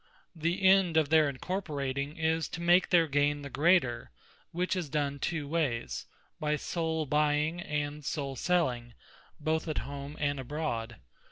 The End of their Incorporating, is to make their gaine the greater; which is done two wayes; by sole buying, and sole selling, both at home, and abroad.